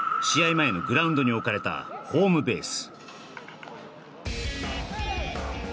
前のグラウンドに置かれたホームベース